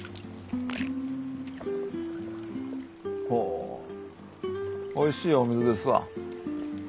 ほぉおいしいお水ですわ。